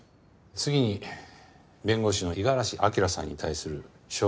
次に弁護士の五十嵐明さんに対する傷害容疑。